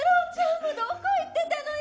もうどこ行ってたのよ。